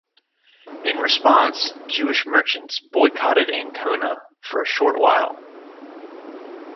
In response, Jewish merchants boycotted Ancona for a short while.